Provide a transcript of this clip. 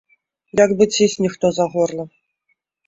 Як бы цісне хто за горла.